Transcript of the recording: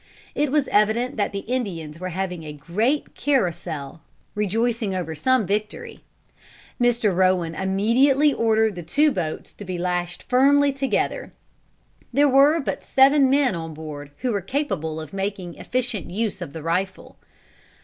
It was evident that the Indians were having a great carousal rejoicing over some victory. Mr. Rowan immediately ordered the two boats to be lashed firmly together. There were but seven men on board who were capable of making efficient use of the rifle.